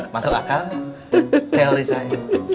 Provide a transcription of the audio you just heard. masuk akal teori saya